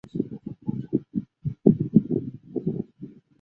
上莱茵行政圈以及越来越多的西部诸侯为法国扩张所吞并。